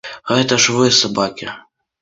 Гэта ж вы сабакі!